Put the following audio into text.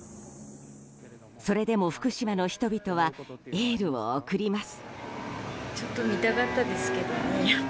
それでも福島の人々はエールを送ります。